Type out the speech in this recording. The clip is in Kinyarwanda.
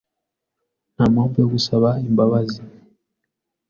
Ntampamvu yo gusaba imbabazi.